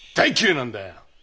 なんだよ！